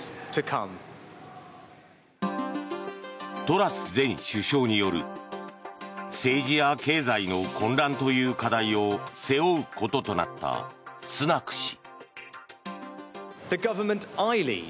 トラス前首相による政治や経済の混乱という課題を背負うこととなったスナク氏。